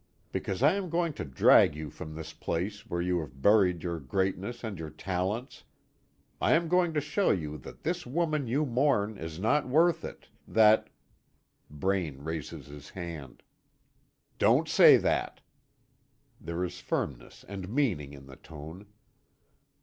Because I am going to drag you from this place where you have buried your greatness and your talents. I am going to show you that this woman you mourn is not worth it, that " Braine raises his hand: "Don't say that." There is firmness and meaning in the tone.